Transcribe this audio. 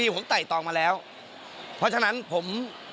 เพราะฉะนั้นผม